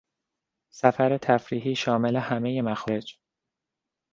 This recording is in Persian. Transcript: سفر تفریحی شامل همهی مخارج